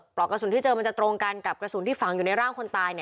อกกระสุนที่เจอมันจะตรงกันกับกระสุนที่ฝังอยู่ในร่างคนตาย